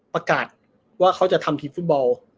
ประกาศว่าเขาจะทำทีมฟุตบอล